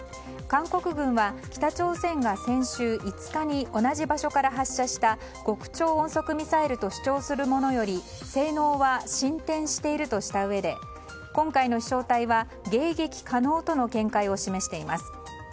韓国軍は北朝鮮が先週５日に同じ場所から発射した極超音速ミサイルと主張するものより性能は進展しているとしたうえで今回の飛翔体は迎撃可能との認識を示しています。